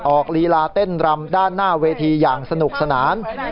ลีลาเต้นรำด้านหน้าเวทีอย่างสนุกสนาน